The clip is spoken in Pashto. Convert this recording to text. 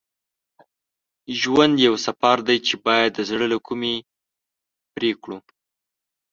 ژوند یو سفر دی چې باید د زړه له کومي پرې کړو.